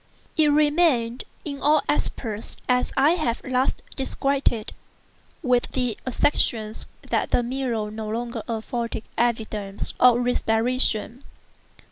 It remained in all respects as I have last described it, with the exception that the mirror no longer afforded evidence of respiration.